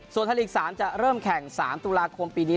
ส่วนไทยลีก๓จะเริ่มแข่ง๓ตุลาคมปีนี้